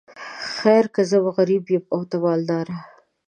خیر که زه غریب یم او ته مالداره.